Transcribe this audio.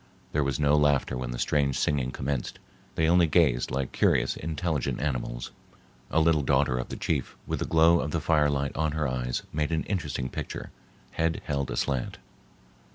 There was no laughter when the strange singing commenced. They only gazed like curious, intelligent animals. A little daughter of the chief with the glow of the firelight on her eyes made an interesting picture, head held aslant.